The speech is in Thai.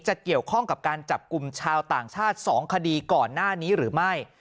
เกี่ยวข้องกับการจับกลุ่มชาวต่างชาติ๒คดีก่อนหน้านี้หรือไม่